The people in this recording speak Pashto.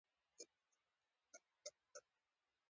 موږ مکاتبه وکړو.